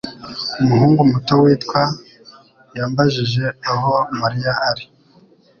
Umuhungu muto witwa yambajije aho Mariya ari.